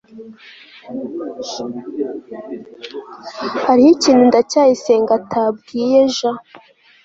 hariho ikintu ndacyayisenga atabwiye j